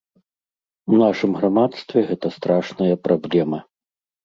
У нашым грамадстве гэта страшная праблема.